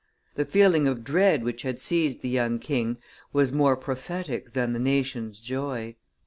The feeling of dread which had seized the young king was more prophetic than the nation's joy.